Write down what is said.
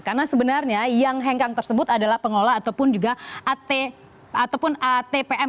karena sebenarnya yang hengkang tersebut adalah pengelola ataupun juga atpm